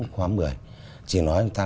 khóa một mươi chỉ nói người ta